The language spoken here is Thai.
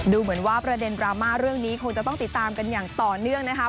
ดูเหมือนว่าประเด็นดราม่าเรื่องนี้คงจะต้องติดตามกันอย่างต่อเนื่องนะครับ